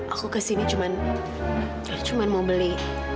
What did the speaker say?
aku kesini cuman cuman mau beli